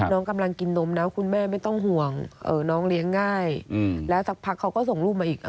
กำลังกินนมแล้วคุณแม่ไม่ต้องห่วงน้องเลี้ยงง่ายแล้วสักพักเขาก็ส่งลูกมาอีก